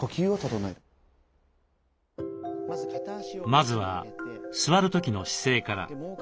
まずは座る時の姿勢から。